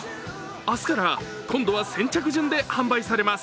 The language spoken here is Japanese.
明日から、今度は先着順で販売されます。